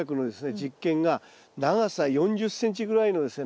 実験が長さ４０ｃｍぐらいのですね